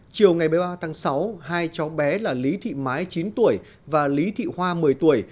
chiều ngày một mươi ba tháng sáu hai cháu bé là lý thị mái chín tuổi và lý thị hoa một mươi tuổi